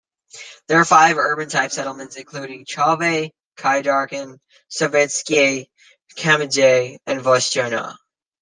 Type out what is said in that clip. There are five urban-type settlements, including Chauvay, Khaidarkan, Sovetskiy, Kadamjay and Vostochny.